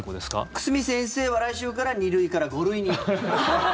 久住先生は来週から２類から５類に。